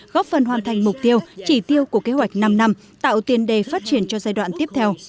góp phần hoàn thành mục tiêu chỉ tiêu của kế hoạch năm năm tạo tiền đề phát triển cho giai đoạn tiếp theo